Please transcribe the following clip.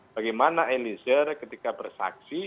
bagaimana eliezer ketika bersaksi